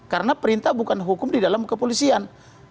karena perintah bukan hukum di dalam kepolisian